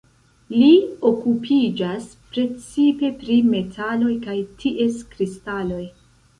Li okupiĝas precipe pri metaloj kaj ties kristaloj.